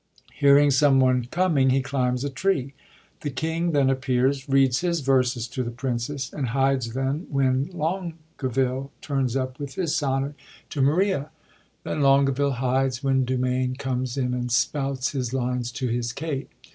Hearing someone coming, he climbs a tree. The king then appears, reads his verses to the princess, and hides when Longaville turns up with liis sonnet to 76 LOVE'S LABOUR'S LOST Maria. Then Longaville hides when Dumain comes in and spouts his lines to his Kate.